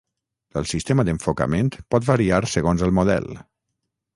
El sistema d'enfocament pot variar segons el model.